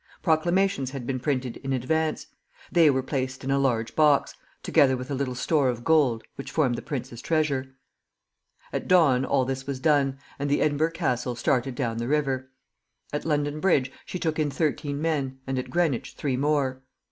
Proclamations had been printed in advance; they were placed in a large box, together with a little store of gold, which formed the prince's treasure. At dawn all this was done, and the "Edinburgh Castle" started down the river. At London Bridge she took in thirteen men, and at Greenwich three more.